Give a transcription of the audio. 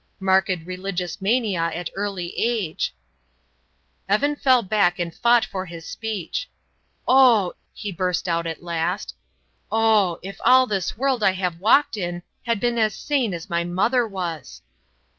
Marked religious mania at early age " Evan fell back and fought for his speech. "Oh!" he burst out at last. "Oh! if all this world I have walked in had been as sane as my mother was."